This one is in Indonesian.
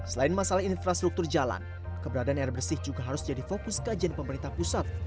selain masalah infrastruktur jalan keberadaan air bersih juga harus jadi fokus kajian pemerintah pusat